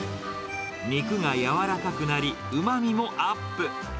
肉がやわらかくなり、うまみもアップ。